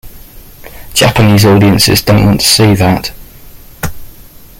Japanese audiences don't want to see that.